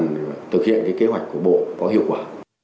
để thực hiện cái kế hoạch của bộ có hiệu quả